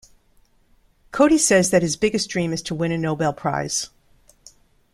Cody says that his biggest dream is to win a Nobel Prize.